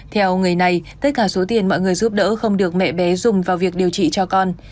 theo người này tất cả số tiền mọi người giúp đỡ không được mẹ bé dùng vào việc điều trị cho con